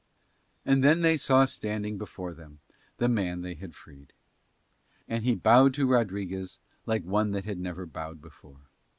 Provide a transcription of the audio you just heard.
And then they saw standing before them the man they had freed. And he bowed to Rodriguez like one that had never bowed before.